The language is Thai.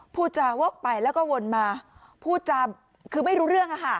พูดจาวกไปแล้วก็วนมาพูดจาคือไม่รู้เรื่อง